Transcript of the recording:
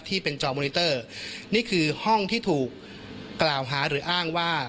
จอมอนิเตอร์นี่คือห้องที่ถูกกล่าวหาหรืออ้างว่า